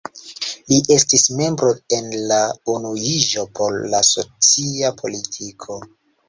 Li estis membro en la „Unuiĝo por la socia politiko”.